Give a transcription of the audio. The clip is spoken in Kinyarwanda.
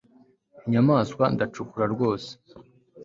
inyamaswa ndacukura rwose